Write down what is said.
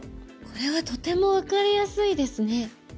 これはとても分かりやすいですね。